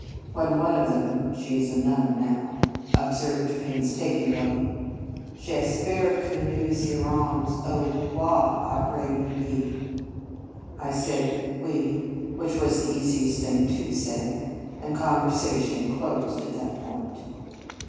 When one of them (she is a nun now) observed pains takingly, "J espere que nous irons aux bois apres midi ;" I said " Oui," which was the easiest thing to say, and conversation closed at that point.